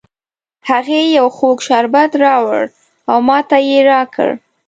هغې یو خوږ شربت راوړ او ماته یې را کړ